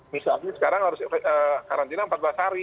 misalnya sekarang harus karantina empat belas hari